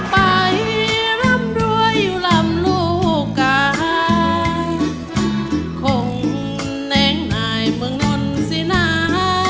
ไปรำรวยอยู่ลำลูกกาคงแนงนายเมืองนนสินะ